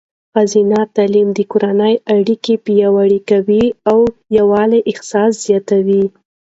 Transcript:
ښځینه تعلیم د کورنۍ اړیکې پیاوړې کوي او د یووالي احساس زیاتوي.